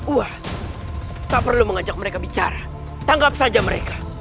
wah tak perlu mengajak mereka bicara tanggap saja mereka